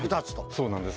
そうなんです。